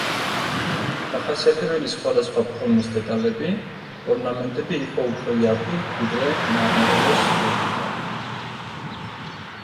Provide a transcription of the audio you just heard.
მახასიათებელი სხვადასხვა ფორმის დეტალები, ორნამენტები იყო უფრო იაფი, ვიდრე მარმარილოს სკულპტურა.